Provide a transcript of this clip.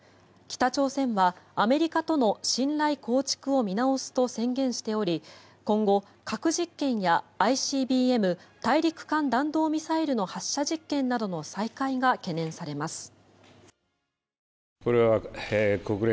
北朝鮮は、アメリカとの信頼構築を見直すと宣言しており今後、核実験やＩＣＢＭ・大陸間弾道ミサイルの発射実験などの再開が懸念されます。